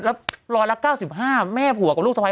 แล้วร้อยละ๙๕แม่ผัวกับลูกสะพ้า